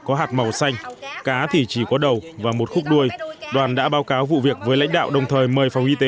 có hạt màu xanh cá thì chỉ có đầu và một khúc đuôi đoàn đã báo cáo vụ việc với lãnh đạo đồng thời mời phòng y tế